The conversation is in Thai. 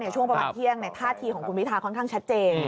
ช่วงประมาณเที่ยงท่าทีของคุณพิทาค่อนข้างชัดเจน